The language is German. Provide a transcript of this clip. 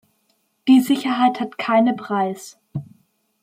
Die Sicherheit hat keine Preis.